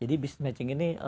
jadi business matching ini